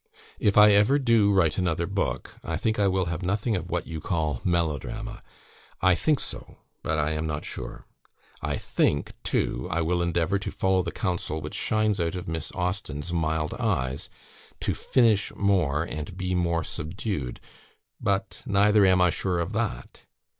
"If I ever DO write another book, I think I will have nothing of what you call 'melodrama;' I think so, but I am not sure. I THINK, too, I will endeavour to follow the counsel which shines out of Miss Austen's 'mild eyes,' 'to finish more and be more subdued;' but neither am I sure of that.